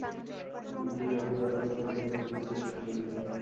আপনি আপনার অবস্থান পরিবর্তনের চেষ্টা করুন।